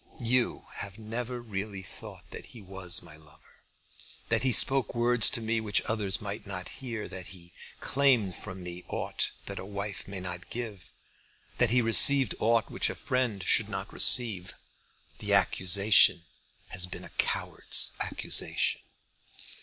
You have never really thought that he was my lover, that he spoke words to me which others might not hear, that he claimed from me aught that a wife may not give, that he received aught which a friend should not receive. The accusation has been a coward's accusation.